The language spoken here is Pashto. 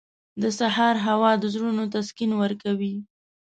• د سهار هوا د زړونو تسکین ورکوي.